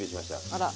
あら。